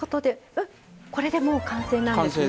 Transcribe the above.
えっこれでもう完成なんですね。